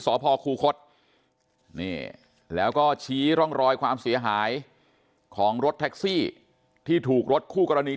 สพคูคศแล้วก็ชี้ร่องรอยความเสียหายของรถแท็กซี่ที่ถูกรถคู่กรณี